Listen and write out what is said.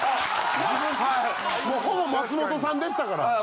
もうほぼ松本さんでしたから。